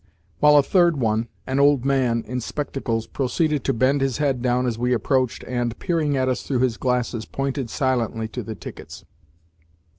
] while a third one an old man in spectacles proceeded to bend his head down as we approached, and, peering at us through his glasses, pointed silently to the tickets.